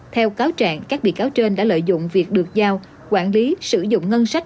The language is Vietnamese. theo cáo trạng các bị cáo trên đã lợi dụng việc được giao quản lý sử dụng ngân sách